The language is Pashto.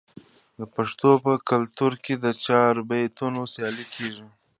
د پښتنو په کلتور کې د چاربیتیو سیالي کیږي.